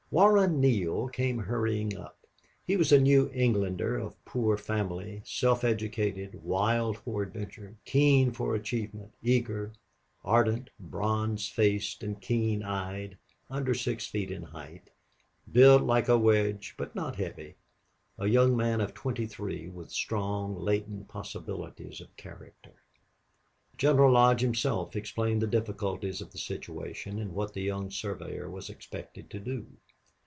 Warren Neale came hurrying up. He was a New Englander of poor family, self educated, wild for adventure, keen for achievement, eager, ardent, bronze faced, and keen eyed, under six feet in height, built like a wedge, but not heavy a young man of twenty three with strong latent possibilities of character. General Lodge himself explained the difficulties of the situation and what the young surveyor was expected to do.